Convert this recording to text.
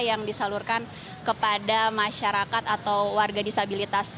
yang disalurkan kepada masyarakat atau warga disabilitas